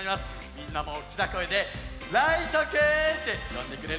みんなもおっきなこえで「ライトくん」ってよんでくれるかな。